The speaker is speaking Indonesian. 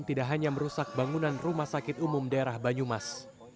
tidak hanya merusak bangunan rumah sakit umum daerah banyumas